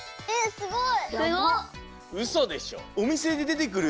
すごい！